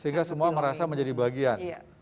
sehingga semua merasa menjadi bagian